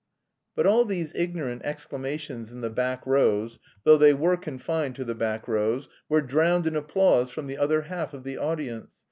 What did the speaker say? But all these ignorant exclamations in the back rows (though they were confined to the back rows) were drowned in applause from the other half of the audience.